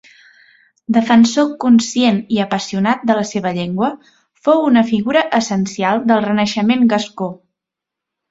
Defensor conscient i apassionat de la seva llengua, fou una figura essencial del Renaixement gascó.